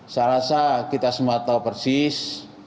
salah satu kita semua tahu persis